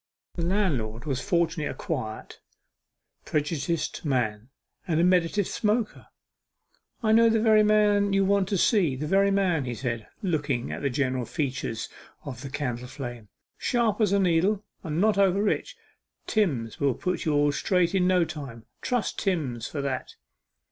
The landlord was fortunately a quiet, prejudiced man, and a meditative smoker. 'I know the very man you want to see the very man,' he said, looking at the general features of the candle flame. 'Sharp as a needle, and not over rich. Timms will put you all straight in no time trust Timms for that.